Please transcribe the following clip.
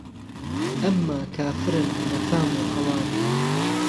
ئەمما کافرن نهفام و عهوام